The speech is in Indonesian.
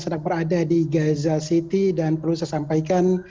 sedang berada di gaza city dan perlu saya sampaikan